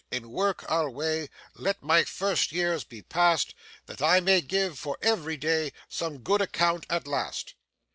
In work alway Let my first years be past, That I may give for ev'ry day Some good account at last."